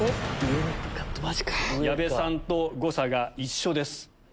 矢部さんと誤差が一緒です。